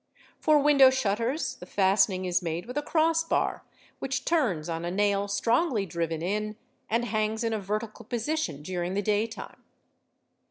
. For window shutters the fastening is made with a cross bar which turns on a nail strongly driven in and hangs in a vertical position during the day time.